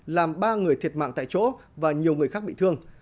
làm ba người thiệt mạng tại chỗ và nhiều người khác bị thương